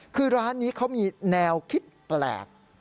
คือร้านนี้เขามีแนวคิดแปลก